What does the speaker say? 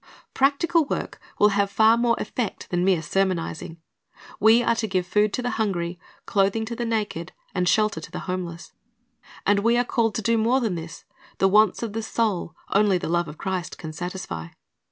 Practical work will have far more effect than mere sermonizing. We are to give food to the hungry, clothing to the naked, and shelter to the homeless. And we are called to do more than this. The wants of the soul, only the love of Christ can satisfy.